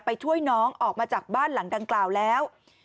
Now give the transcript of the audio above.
ช่วยน้องออกมาจากบ้านหลังดังกล่าวแล้ว